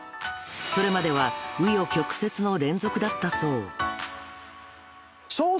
［それまでは紆余曲折の連続だったそう］